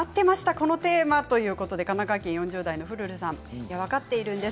このテーマということで神奈川県４０代の方です。